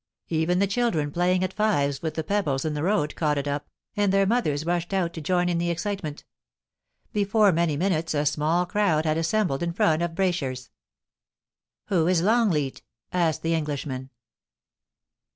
Even the children playing at fives with the pebbles in the road caught 6 POLICY AND PASSION. it up, and their mothers rushed out to join in the excitement Before many minutes a small crowd had assembled in front of Braysher's. * Who is Longleat ?* asked the Englishman.